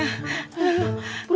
ugh guru budi